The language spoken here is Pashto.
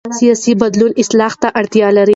سیاسي بدلون اصلاح ته اړتیا لري